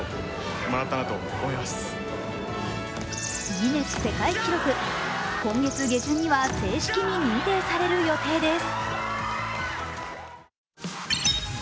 ギネス世界記録、今月下旬には正式に認定される予定です。